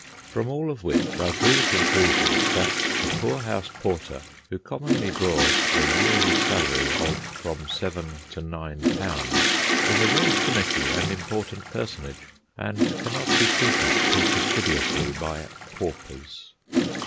From all of which I drew the conclusion that a poorhouse porter, who commonly draws a yearly salary of from seven to nine pounds, is a very finicky and important personage, and cannot be treated too fastidiously by—paupers.